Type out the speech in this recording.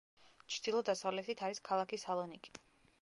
ჩრდილო-დასავლეთით არის ქალაქი სალონიკი.